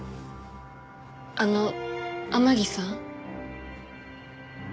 あの天樹さん。